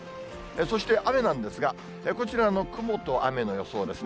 そして雨なんですが、こちらの雲と雨の予想ですね。